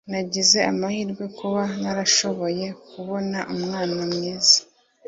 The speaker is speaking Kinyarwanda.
nagize amahirwe kuba narashoboye kubona umwana mwiza